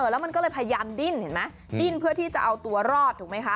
แล้วมันก็เลยพยายามดิ้นเห็นไหมดิ้นเพื่อที่จะเอาตัวรอดถูกไหมคะ